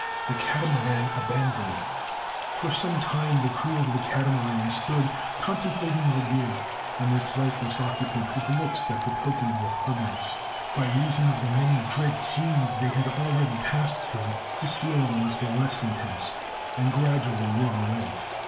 THE CATAMARAN ABANDONED. For some time the crew of the Catamaran stood contemplating the gig and its lifeless occupant, with looks that betokened repugnance. By reason of the many dread scenes they had already passed through, this feeling was the less intense, and gradually wore away.